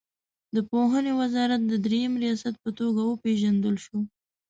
د پوهنې وزارت د دریم ریاست په توګه وپېژندل شوه.